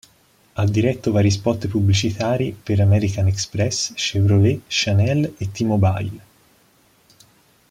Ha diretto vari spot pubblicitari per American Express, Chevrolet, Chanel e T-Mobile.